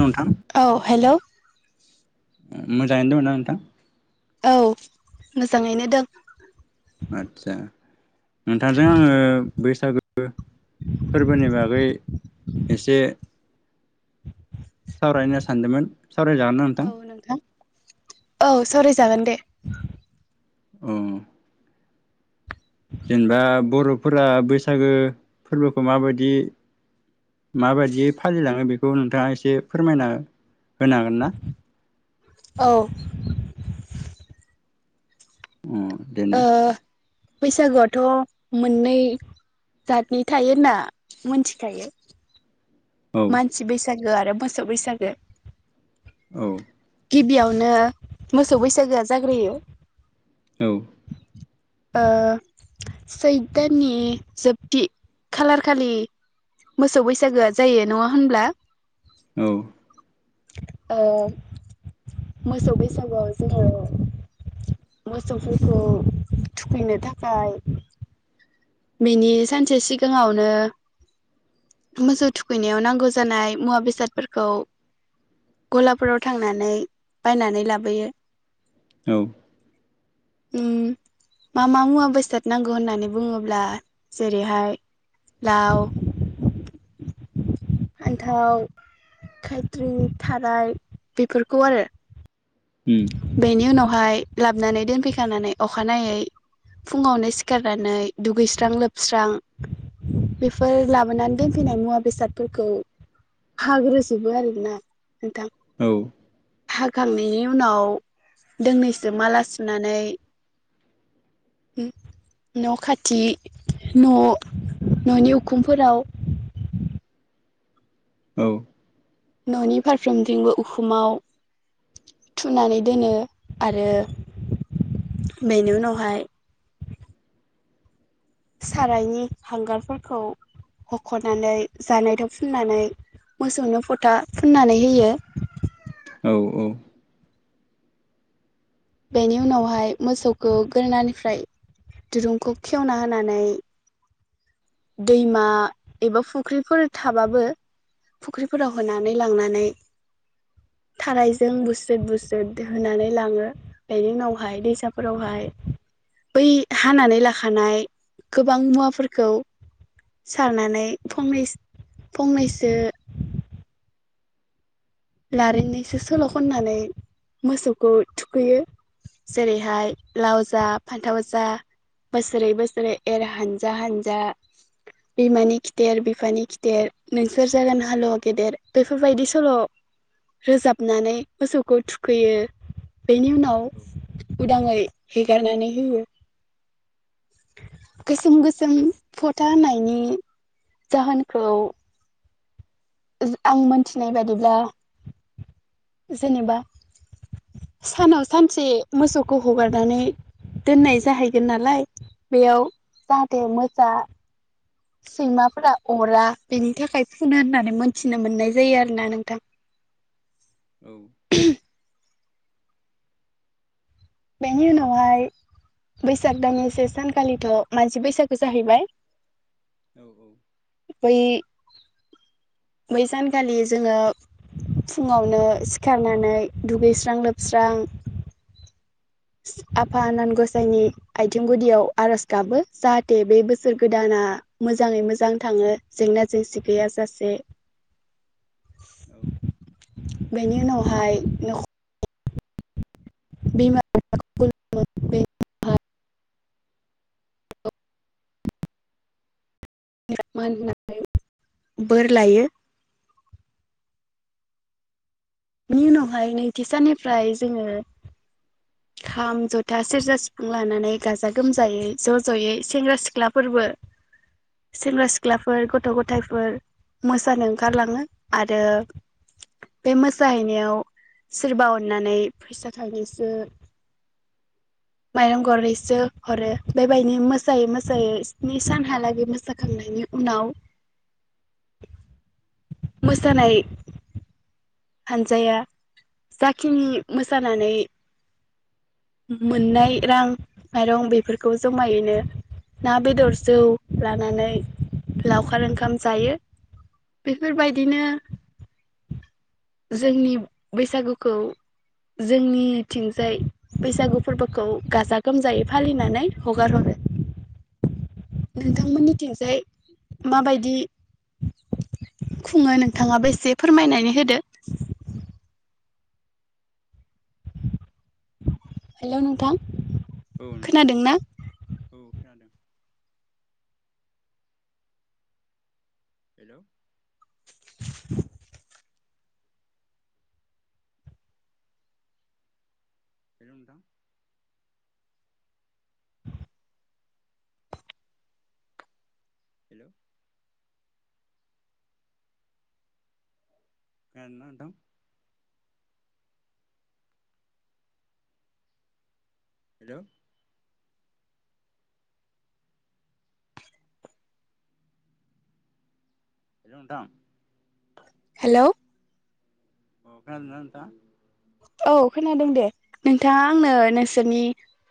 नोंथां औ हेल' मोजाङै दङ ना नोंथां? औ मोजाङैनो दं। आदसा नोंथांजों आङो बैसागो फोरबोनि बागै एसे सावरायनो सानदोंमोन। सावरायजागोन ना औ नोंथां औ सावराय जागोन दे। औ जेनेबा बर'फोरा बैसागो फोरबोखौ माबायदि माबायदियै फालिलाङो बेखौ नोंथाङा एसे फोरमायना होनो हागोन ना? औ अ देने ओ बैसागुआथ' मोननै जातनि थायो होनना मोनथिखायो। औ मानसि बैसाग ओ आरो मोसौ बैसागो औ गिबियावनो मोसौ बैसागोआ जाग्रोयो। औ अ सैथ दाननि जोबथि खालारखालि मोसौ बैसागोआ जायो नङा होनब्ला? औ अ मोसौ बैसागुआव जोङो मोसौफोरखौ थुखैनो थाखाय बिनि सानसे सिगाङावनो मोसौ थुखैनायाव नांगौ जानाय मुवा बेसादफोरखौ गलाफोराव थांनानै बायनानै लाबोयो। औ उम मा मा मुवा बेसाद नांगौ होननानै बुङोब्ला जेरैहाय- लाव फान्थाव खायथ्रि थाराय बेफोरखौ आरो उम बेनि उनाव हाय लाबोनानै दोनफैखानानै अखानायै फुङावनो सिखारनानै दुगैस्रां लोबस्रां बेफोर लाबोनानै दोनफैनाय मुवा बेसादफोरखौ हाग्रोजोबो आरोना नोंथां औ हाखांनायनि उन उनाव दोंनैसो माला सुनानै न' खाथि न' न'नि उखुमफोराव औ न'नि फारफ्रोमथिंबो उखुमाव थुनानै दोनो आरो बेनि उनावहाय सारायनि हांगारफोरखौ हख'नानै जानायथाव फुननानै मोसौनो फोथा फुननानै होयो औ औ बेनि उनावहाय मोसौखौ गोरनानिफ्राय दिरुंखौ खेवना होनानै दैमा एबा फुख्रिफोर थाबाबो फुख्रि फोराव होनानै लांनानै थारायजों बुस्रोद बुस्रोद होनानै लाङो बेनि उनावहाय दैसाफोरावहाय बै हानानै लाखानाय गोबां मुवाफोरखौ सारना नै फंनैसो फंनैसो लारिंनैसो सल' खननानै मोसौखौ थुखैयो। जेरैहाय लाव जा फान्थाव जा बोसोरै बोसोरै एर हानजा हानजा बिमानि खिथेर बिफानि खिथेर नोंसोर जागोन हालुवा गेदेर बेफोरबायदि सल' रोजाबनानै मोसौखौ थुखैयो। बेनि उनाव उदाङै हेगारनानै होयो, गोसोम गोसोम फथा होनायनि जाहोनखौ आं मोनथिनाय बादिब्ला, जेनेबा सानाव सानसे मोसौखौ हगारनानै दोननाय जाहैगोन नालाय बेयाव जाहाथे मोसा सैमाफोरा अरा बेनि थाखाय फुनो होननानै मोनथिनो मोननाय जायो आरोना नोंथां। औ। बेनि उनावहाय बैसाग दाननि से सानखालिथ' मानसि बैसागो जाहैबाय। औ औ। बै बै सानखालि जोङो फुङावनो सिखारनानै दुगैस्रां लोबस्रां आफा आनान गसाइनि आथिं गुदियाव आर'ज गाबो जाहाथे बे बोसोर गोदाना मोजाङै मोजां थाङो जेंना जेंसि गैया जासे। औ बेनि उनावहाय न'खर [unintelligible] बिमा [unintelligible] खुलुमो [unintelligible] [unintelligible] मान होनानै बोर लायो। बिनि उनावहाय नैथि साननिफ्राय जोङो खाम, ज'था, सेरजा, सिफुं लानानै गाजा गोमजायै ज' ज'यै सेंग्रा सिख्लाफोरबो सेंग्रा सिख सिख्लाफोर गथ' गथायाइफोर मोसानो ओंखारलाङो आरो बे मोस साहैनायाव सोरबा अननानै फैसा थाइनैसो, माइरं गरनैसो हरो। बेबायदि मोसायै मोसायै स्नि सानहालागै मोसाखांनायनि उनाव मोसानाय हान्जाया जाखिनि मोसानानै मोननाय रां, माइरं बेफोरखौ ज'मायैनो ना, बेदर, जौ लानानै लावखार ओंखाम जायो। औ बेफोरबायदिनो जोंनि बैसागुखौ जोंनिथिंजाय बैसागु फोरबोखौ गाजा गोमजायै फालिनानै हगार हरो। नोंथांमोननिथिंजाय माबायदि खुङो नोंथाङाबो एसे फोरमायनानै होदो। हेल' नोंथां औ नोंथां खोनादोंना? औ खोनादों। हेल' [inaudible] हेल' नोंथां हेलौ खोनादोंना नोंथां हेलौ हेलौ नोंथां हेलौ अ खोनादोंना नोंथां औ खोनादों दे नोंथाङा आंनो नोंसोरनि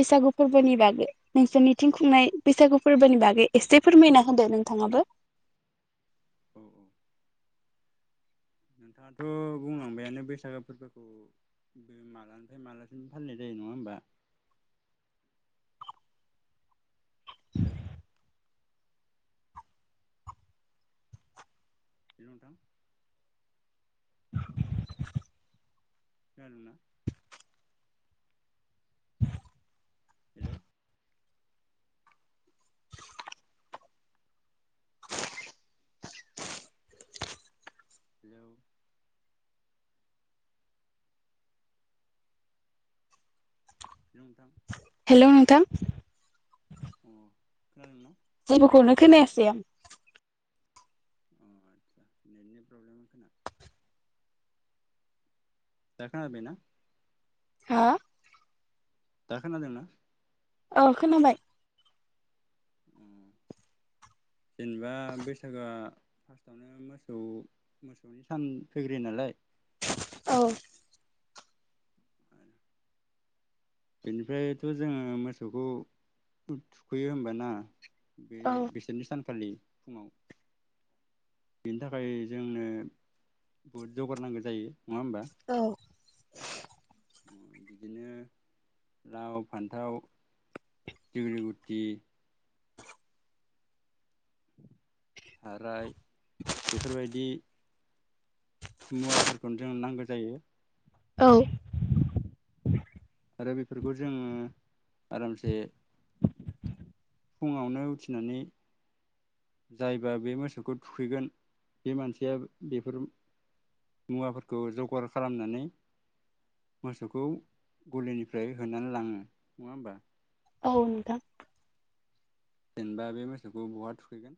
बैसागु फोरबोनि बागै नोंसोरनिथिं खुंनाय बैसागु फोरबोनि बागै एसे फोरमायना होदो नोंथाङाबो औ औ नोंथाङाथ' बुंलांबायानो बैसागो फोरबोखौ बे मालानिफ्राय मालासिम फालिनाय जायो नङा होमबा हेलौ नोंथां। [inaudible] खोनादोना। हेलौ हेलौ नोंथां। हेलौ नोंथां। अ खोनादों न। जेबोखौनो खोनायासै आं। अ आचसा नेटनि प्रब्लेम खोमा। दाखोनादोना। हा। दा खोनादोंना। ओ खोनाबाय। अ जेनेबा बैसागोआ। [unintelligible] फार्स्टआवनो मोसौ मोसौनि सान फैग्रोयो नालाय। औ। बेनिफ्रायथ जोंङो मोसौखौ थुखैयो होमबाना बे औ बिसोरनि सानखालि। फुंङाव बेनि थाखाय जोंनो बहुद जौगारनांगौ जायो। नंङा होमबा। औ बिदिनो लाव फान्थाव दगलि गुथि। थाराय बेफोरबायदि। मुवाफोरखौनो जों नांगौ जायो। औ। आरो बेफोरखौ जोंङो आरामसे। फुंङावनो उथिनानै जायबा बे मोसौखौ थुखैगोन बे मानसिया बेफोर मुवाफोरखौ जगार खालामनानै मोसौखौ गलिनिफ्राय होनानै लाङो नङा होमबा। औ‌नोंथां। जेनेबा बे मोसौखौ बहा थुखैगोन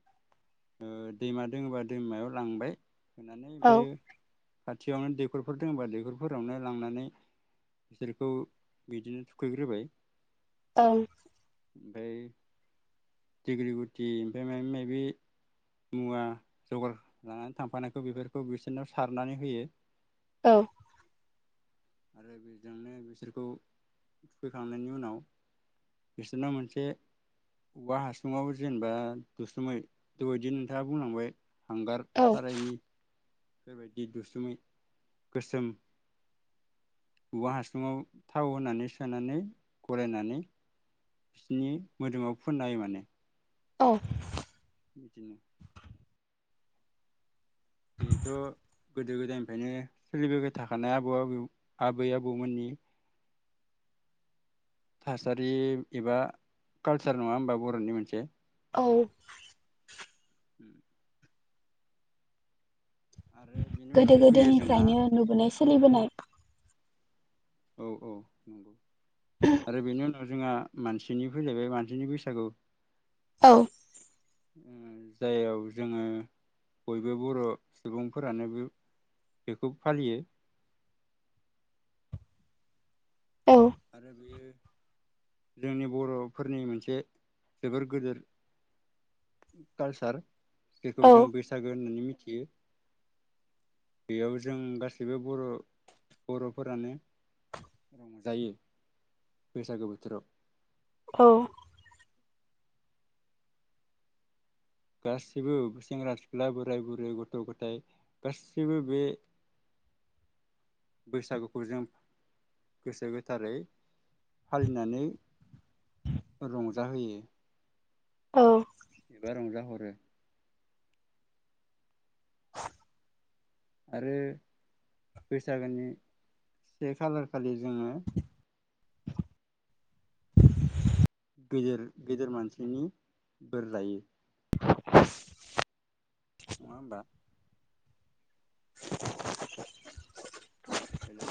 दैमा दोंङोबा दैमायाव लांबाय। औ [unintelligible] खाथियावनो दैखरफोर दंङबा दैखरफोरावनो लांनानै बिसोरखौ बिदिनो थुखैग्रोबाय। औं। ओमफ्राय। दिग्रि गुटि ओमफ्राय माबि माबि मुवा जगार लानानै थांफानायखौ बेफोरखौ बिसोरनाव सारनानै होयो औ। आरो बेजोंनो बिसोरखौ थुखैखांनायनि उनाव बिसोरना मोनसे औवा हासङाव जेनेबा दुसुमै दबायदि नोंथाङा बुंलांबाय [unintelligible] हांगार औ सारायनि। बेबायदि दुसुमै गोसोम। उवा हासुङाव थाव होनानै सोनानै गरायनानै बिनि मोदोमाव फोननाय हायो माने। औ बिदिनो बेथ' गोदो गोदायनिफ्रायनो सोलिबोबाय थाखानाय आबौ आबौ आबै आबौमोननि थासारि एबा कालसार नङा होमबा बर'नि मोनसे औ। आरो बेनि उनाव गोदो- फैयो जोंहा गोदोनिफ्रायनो नुबोनायसो सोलिबोनाय औ औ नंगौ। आरो बेनो ओ जोंआ मानसिनि फैलायबाय मानसिनि बैसागु औ उम जाययाव जोङो बयबो बर' सुबुंफोरानो बे-बेखौ फालियो। औ आरो बेयो जोंनि बर'फोरनि मोनसे जोबोर गोदोर कालचार बेखौ औ जों बैसागो होननानै मि थियो बेयाव जों गासैबो बर' बर'फोरानो जायो बैसागो बोथोराव औ गासैबो सेंग्रा सिख्ला बोराय बुरै गथ' गथाइ गासैबो बे बैसागुखौ जों गोसो गोथारै फालिनानै रंजाहोयो। औ एबा रंजाहरो आरो बैसागोनि से खालार खालि जोङो गेदेर गेदेर मानसिनि बोर लायो [inaudible] नङा होमबा [inaudible] हेलौ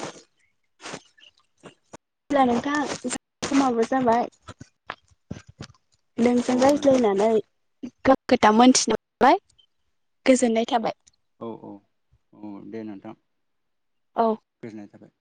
[unintelligible] नोंथां समाबो जाबाय नोंजों औ नोंथां रायज्लायनानै गोबां खोथा मोनथिनोमोनबाय गोजोननाय थाबाय औ औ औ दे नोंथां औ गोजोननाय थाबाय